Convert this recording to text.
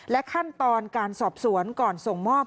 ขั้นตอนการสอบสวนก่อนส่งมอบ